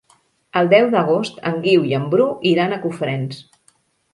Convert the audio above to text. El deu d'agost en Guiu i en Bru iran a Cofrents.